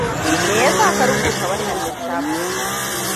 Me ya sa ka rubuta wannan littafin?